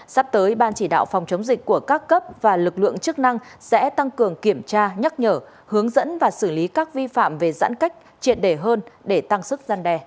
sắp tới ban chỉ đạo phòng chống dịch của các cấp và lực lượng chức năng sẽ tăng cường kiểm tra nhắc nhở hướng dẫn và xử lý các vi phạm về giãn cách triệt đề hơn để tăng sức gian đe